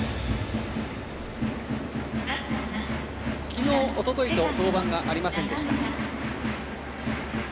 昨日、おとといと登板はありませんでした。